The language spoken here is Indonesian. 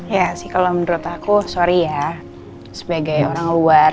ya sih kalau menurut aku sorry ya sebagai orang luar